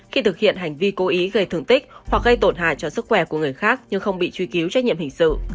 khi thực hiện hành vi cố ý gây thương tích hoặc gây tổn hại cho sức khỏe của người khác nhưng không bị truy cứu trách nhiệm hình sự